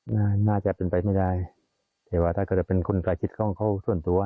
น่าจะเป็นไปไม่ได้แต่ว่าถ้าเขาจะเป็นคนใกล้ชิดของเขาส่วนตัว